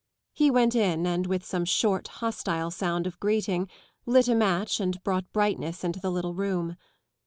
He went in and with some short, hostile sound of greeting lit a match and brought brightness into the little room.